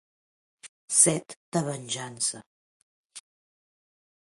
Set de venjança.